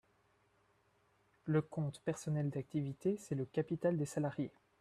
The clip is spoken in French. Le compte personnel d’activité, c’est le capital des salariés.